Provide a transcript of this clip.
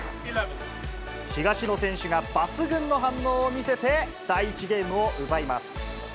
東野選手が抜群の反応を見せて、第１ゲームを奪います。